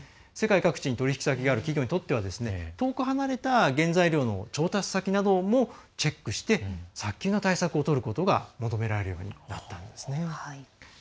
世界各地に取引先のある企業にとっては遠く離れた原材料の調達先などもチェックして早急な対策をとることが求められるようになったんです。